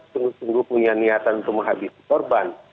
sungguh sungguh punya niatan untuk menghabisi korban